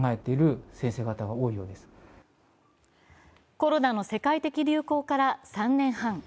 コロナの世界的流行から３年半。